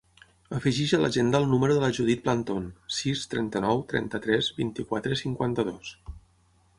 Afegeix a l'agenda el número de la Judit Planton: sis, trenta-nou, trenta-tres, vint-i-quatre, cinquanta-dos.